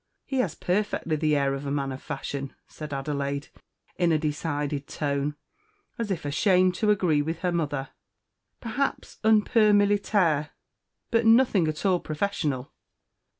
"He has perfectly the air of a man of fashion," said Adelaide, in a decided tone, as if ashamed to agree with her mother. "Perhaps un peu militaire, but nothing at all professional."